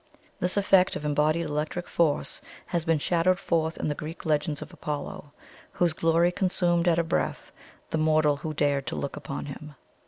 This effect of embodied electric force has been shadowed forth in the Greek legends of Apollo, whose glory consumed at a breath the mortal who dared to look upon him.